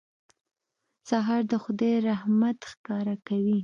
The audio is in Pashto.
سهار د خدای رحمت ښکاره کوي.